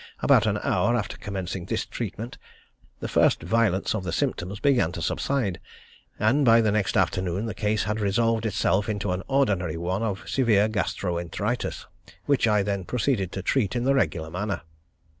About an hour after commencing this treatment, the first violence of the symptoms began to subside, and by the next afternoon the case had resolved itself into an ordinary one of severe gastroenteritis which I then proceeded to treat in the regular manner.